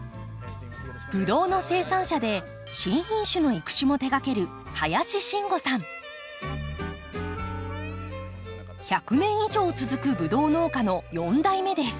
ブドウの生産者で新品種の育種も手がける１００年以上続くブドウ農家の４代目です。